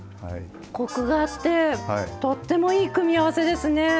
コクがあってとってもいい組み合わせですね。